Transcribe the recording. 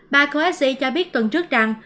bà coexi cho biết tuần trước rằng